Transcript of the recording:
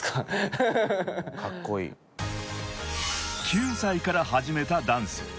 ［９歳から始めたダンス］